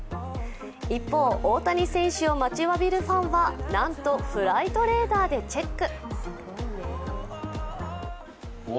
一方、大谷選手を待ちわびるファンは、なんとフライトレーダーでチェック。